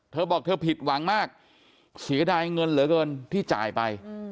เธอบอกเธอผิดหวังมากเสียดายเงินเหลือเกินที่จ่ายไป